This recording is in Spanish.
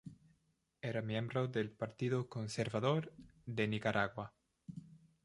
Era miembro del Partido Conservador de Nicaragua.